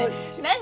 何？